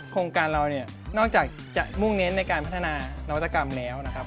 โครงการเราเนี่ยนอกจากจะมุ่งเน้นในการพัฒนานวัตกรรมแล้วนะครับ